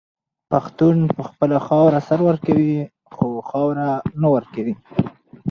پښتون په خپله خاوره سر ورکوي خو خاوره نه ورکوي.